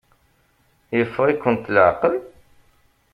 Yeffeɣ-ikent leɛqel?